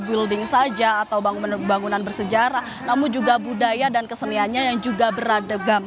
building saja atau bangunan bangunan bersejarah namun juga budaya dan keseniannya yang juga beragam